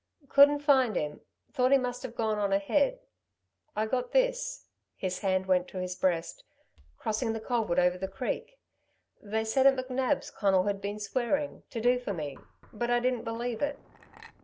"Couldn't find him thought he must have gone on ahead. I got this," his hand went to his breast, "crossing the culvert over the creek. They said at McNab's, Conal had been swearing to do for me but I didn't believe it...."